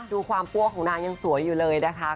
ดูความปั้วของนางยังสวยอยู่เลยนะคะ